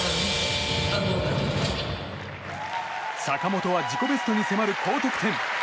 坂本は自己ベストに迫る高得点。